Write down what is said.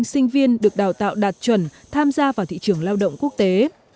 các sinh viên được đào tạo đạt chuẩn tham gia vào thị trường lao động quốc tế